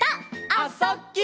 「あ・そ・ぎゅ」